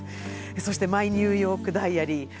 そして「マイ・ニューヨーク・ダイアリー」。